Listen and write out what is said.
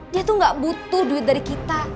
dia tuh gak butuh duit dari kita